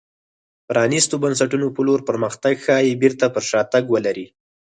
پرانېستو بنسټونو په لور پرمختګ ښايي بېرته پر شا تګ ولري.